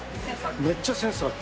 めっちゃセンスある。